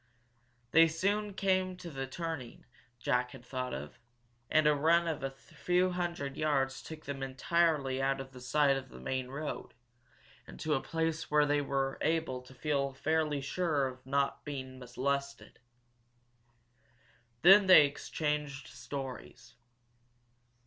They soon came to the turning Jack had thought of, and a run of a few hundred yards took them entirely out of sight of the main road, and to a place where they were able to feel fairly sure of not being molested. Then they exchanged stories.